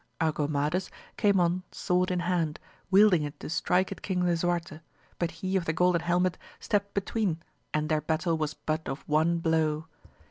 Argomades came on sword in hand, wielding it to strike at King Lisuarte, but he of the golden helmet stept between and their battle was but of one blow.